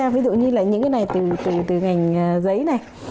ví dụ như là những cái này từ ngành giấy này